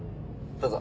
どうぞ。